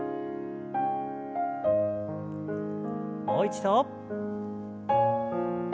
もう一度。